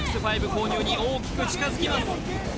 購入に大きく近づきます